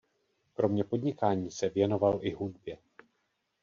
Kromě podnikání se věnoval i hudbě.